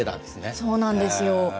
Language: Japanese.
そうなんですよ。